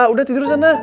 udah tidur sana